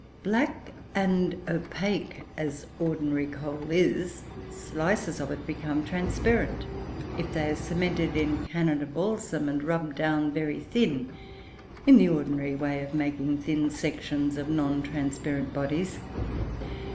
Black and opaque as ordinary coal is, slices of it become transparent if they are cemented in Canada balsam, and rubbed down very thin, in the ordinary way of making thin sections of non transparent bodies.